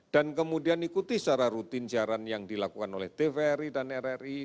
dan kemudian ikuti secara rutin jaran yang dilakukan oleh tvri dan rri